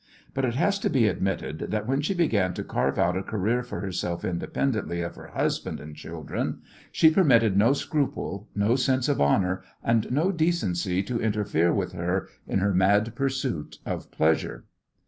But it has to be admitted that when she began to carve out a career for herself independently of her husband and children she permitted no scruple, no sense of honour, and no decency to interfere with her in her mad pursuit of pleasure.